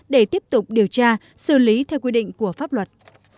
để tiếp tục điều tra xử lý theo quy định của pháp luật